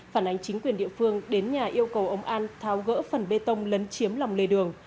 phản ánh chính quyền địa phương đến nhà yêu cầu ông an tháo gỡ phần bê tông lấn chiếm lòng lề đường